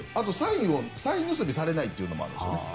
後、サイン盗みされないというのもあるんですよね。